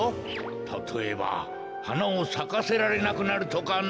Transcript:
たとえばはなをさかせられなくなるとかな。